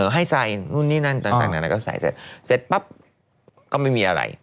ให้ใส่นู่นนี่นั่นต่างนานาก็ใส่เสร็จปั๊บก็ไม่มีอะไร